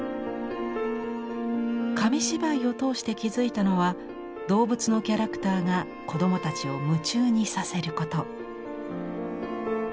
紙芝居を通して気付いたのは動物のキャラクターが子どもたちを夢中にさせること。